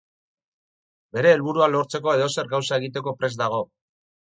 Bere helburuak lortzeko edozer gauza egiteko prest dago.